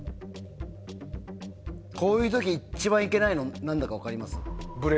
こういう時、一番いけないの何だか分かります？